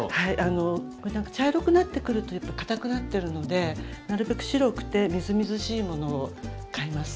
茶色くなってくるとやっぱりかたくなってるのでなるべく白くてみずみずしいものを買います。